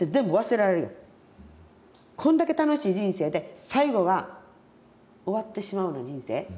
こんだけ楽しい人生で最後は終わってしまうような人生。